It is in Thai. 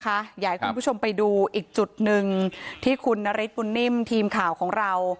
อยากให้คุณผู้ชมไปดูอีกจุดหนึ่งที่คุณนฤทธบุญนิ่มทีมข่าวของเรา